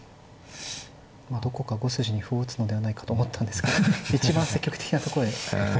どこか５筋に歩を打つのではないかと思ったんですけど一番積極的なとこへ。